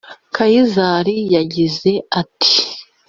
Kayizari yagize ati